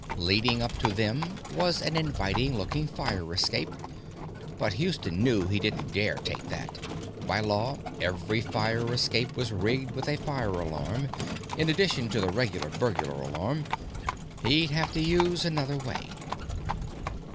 Leading up to them was an inviting looking fire escape, but Houston knew he didn't dare take that. By law, every fire escape was rigged with a fire alarm, in addition to the regular burglar alarm. He'd have to use another way.